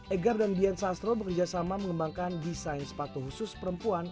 egar dan dian sastro bekerjasama mengembangkan desain sepatu khusus perempuan